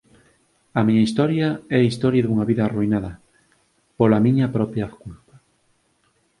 A miña historia é a historia dunha vida arruinada... pola miña propia culpa.